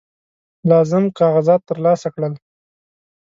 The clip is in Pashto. لازم کاغذات ترلاسه کړل.